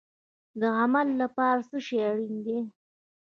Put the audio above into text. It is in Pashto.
د عمل لپاره څه شی اړین دی؟